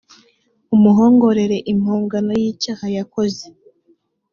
amuhongerere impongano y icyaha yakoze